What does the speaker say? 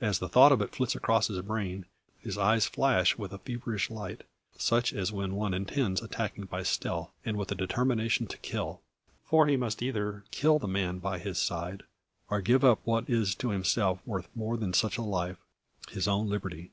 As the thought of it flits across his brain, his eyes flash with a feverish light, such as when one intends attacking by stealth, and with the determination to kill. For he must either kill the man by his side, or give up what is to himself worth more than such a life his own liberty.